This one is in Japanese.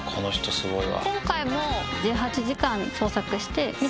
すごいよ。